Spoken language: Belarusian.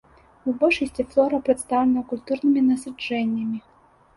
У большасці флора прадстаўлена культурнымі насаджэннямі.